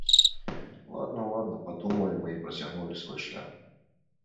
Ладна-ладна, падумалі мы, і працягнулі свой шлях.